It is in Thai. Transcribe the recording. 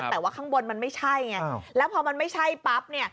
แต่ว่าข้างบนมันไม่ใช่ไง